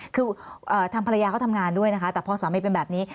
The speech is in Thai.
คือทางภรรยาเขาทำงานด้วยนะคะแต่พอสามีเป็นแบบนี้